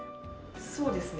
そうですね。